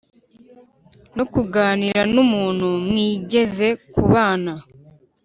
no kuganira n’umuntu mwigeze kubana.